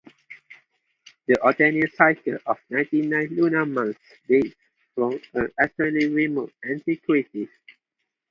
The octennial cycle of ninety-nine lunar months dates from an extremely remote antiquity.